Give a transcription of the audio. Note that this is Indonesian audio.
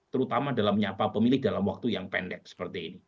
terutama dalam menyapa pemilih dalam waktu yang pendek seperti ini